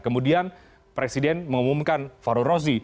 kemudian presiden mengumumkan farul rozi